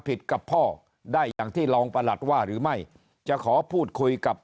กับพ่อได้อย่างที่รองประหลัดว่าหรือไม่จะขอพูดคุยกับ